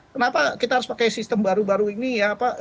kenapa kita harus pakai sistem baru baru ini ya pak